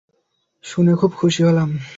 খুব খুশি হলাম।